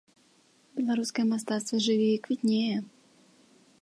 Беларускае мастацтва жыве і квітнее.